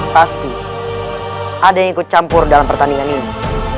pasti ada yang ikut campur dalam pertandingan ini